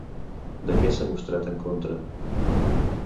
De què s'ha mostrat en contra?